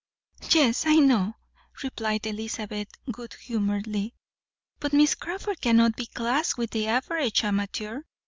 "Yes, I know," replied Elizabeth, good humouredly. "But Miss Crawford cannot be classed with the average amateur.